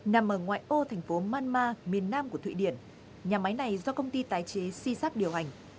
nằm ở ngoại ô thành phố manma miền nam của thụy điển nhà máy này do công ty tái chế si sak điều hành